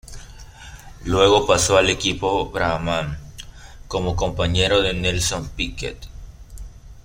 Luego paso al equipo Brabham como compañero de Nelson Piquet.